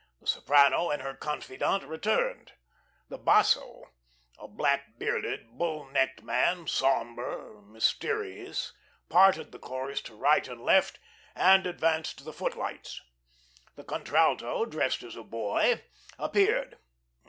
The soprano and her confidante returned. The basso, a black bearded, bull necked man, sombre, mysterious, parted the chorus to right and left, and advanced to the footlights. The contralto, dressed as a boy, appeared.